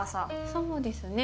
そうですね。